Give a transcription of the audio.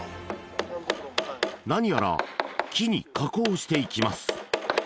何やら木に加工していきます